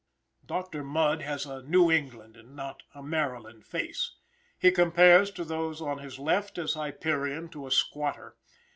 Doctor Mudd has a New England and not a Maryland face. He compares, to those on his left, as Hyperion to a squatter.